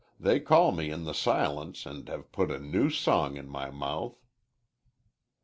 They call me in the silence and have put a new song in my mouth."